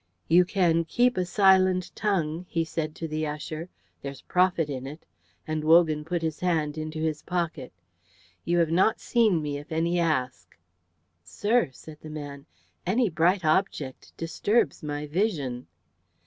"You can keep a silent tongue," he said to the usher. "There's profit in it;" and Wogan put his hand into his pocket. "You have not seen me if any ask." "Sir," said the man, "any bright object disturbs my vision."